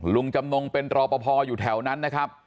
ลุงจำนงเป็นรอปภอยู่แถวนั้นนะครับ